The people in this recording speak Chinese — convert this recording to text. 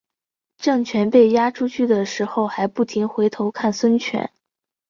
郑泉被押出去的时候还不停回头看孙权。